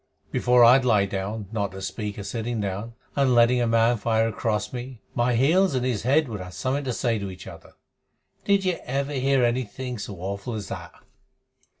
Before I'd lie down, not to speak of sitting down, and let a man fire across me, my heels and his head would have something to say to each other. Did you ever hear anything so awful as that?"